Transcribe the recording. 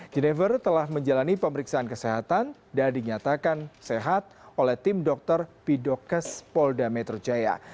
jennifer telah menjalani pemeriksaan kesehatan dan dinyatakan sehat oleh tim dokter pidokes polda metro jaya